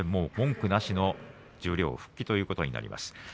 文句なしの十両復帰ということになります。